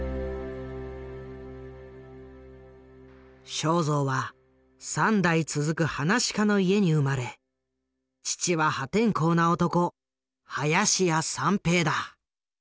正蔵は３代続く噺家の家に生まれ父は破天荒な男林家三平だ。